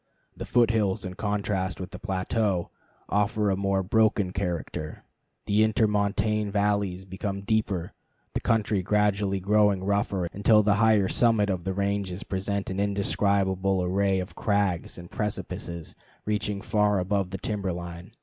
The foot hills, in contrast with the plateau, afford a more broken character, the intermontane valleys become deeper, the country gradually growing rougher until the higher summit of the ranges present an indescribable array of crags and precipices reaching far above the timber line.